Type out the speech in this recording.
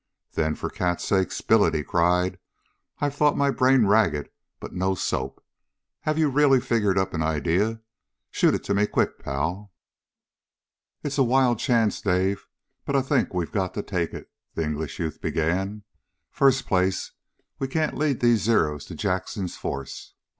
"Then for cat's sake spill it!" he cried. "I've thought my brain ragged, but no soap. Have you really figured up an idea? Shoot it to me quick, pal." "It's a wild chance, Dave, but I think we've got to take it," the English youth began. "First place, we can't lead these Zeros to Jackson's force.